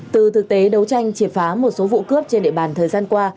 từ thực tế đấu tranh triệt phá một số vụ cướp trên địa bàn thời gian qua